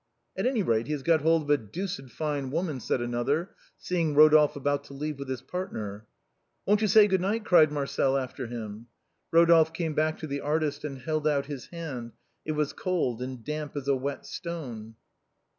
"At any rate he has got hold of a deuced fine woman," said another, seeing Eodolphe about to leave with his partner. " Won't you say good night ?" cried Marcel after him. Rodolphe came back to the artist and held out his hand, it was cold and damp as a wet stone.